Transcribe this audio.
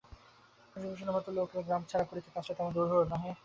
শশিভূষণের মতো লোককে গ্রামছাড়া করা কাজটা তেমন দুরূহ নহে।